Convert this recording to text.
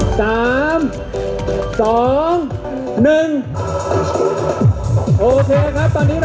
โอเคครับตอนนี้เราได้เปิดไฟต้นคริสต์มาสติกนี้ก็พร้อมแล้วนะครับ